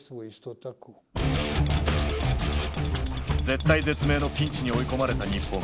絶体絶命のピンチに追い込まれた日本。